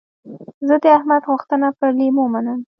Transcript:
زه د احمد غوښتنه پر لېمو منم.